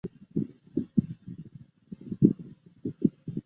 皮马科二是位于美国亚利桑那州皮马县的一个人口普查指定地区。